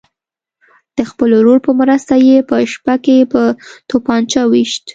د خپل ورور په مرسته یې په شپه کې په توپنچه ویشت.